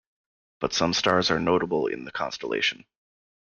But some stars are notable in the constellation.